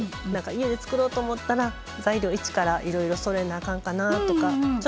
家で作ろうと思ったら材料を一からいろいろそろえなあかんかなとかちょっとハードル高そうで。